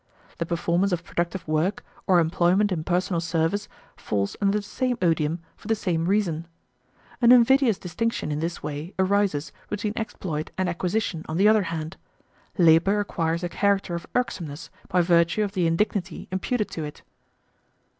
The performance of productive work, or employment in personal service, falls under the same odium for the same reason. An invidious distinction in this way arises between exploit and acquisition on the other hand. Labour acquires a character of irksomeness by virtue of the indignity imputed to it.